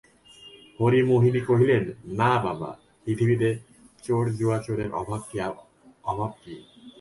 হরিমোহিনী কহিলেন, না বাবা, পৃথিবীতে চোর-জুয়াচোরের অভাব কী?